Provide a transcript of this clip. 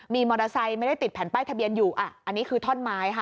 มีมอเตอร์ไซค์ไม่ได้ติดแผ่นป้ายทะเบียนอยู่อ่ะอันนี้คือท่อนไม้ค่ะ